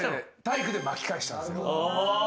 体育で巻き返したんですよ。